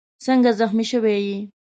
څنګه زخمي شوی یې؟